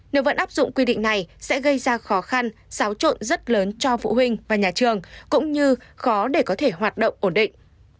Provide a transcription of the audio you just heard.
nếu vẫn áp dụng quy định này sẽ gây ra khó khăn xáo trộn rất lớn cho phụ huynh và nhà trường cũng như khó để có thể hoạt động ổn định